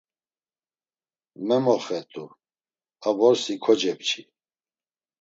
Memoxet̆u, a vorsi kocepçi.